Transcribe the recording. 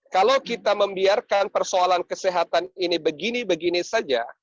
kalau kita membiarkan persoalan kesehatan ini begini begini saja